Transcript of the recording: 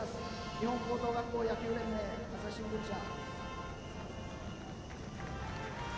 日本高等学校野球連盟朝日新聞社。